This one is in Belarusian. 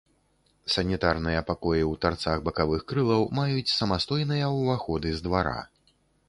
Санітарныя пакоі ў тарцах бакавых крылаў маюць самастойныя ўваходы з двара.